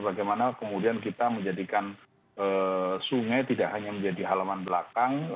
bagaimana kemudian kita menjadikan sungai tidak hanya menjadi halaman belakang